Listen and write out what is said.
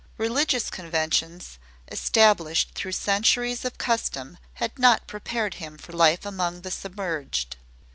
Religious conventions established through centuries of custom had not prepared him for life among the submerged.